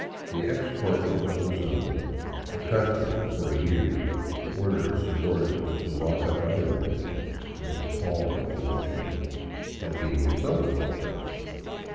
The ex corporal of the Zone, accustomed for years to order his subordinates to lock up other men, was appalled at the notion of being himself 112 DOWN THE ANDES TO QUITO locked up.